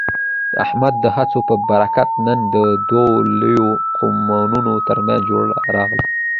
د احمد د هڅو په برکت، نن د دوو لویو قومونو ترمنځ جوړه راغله.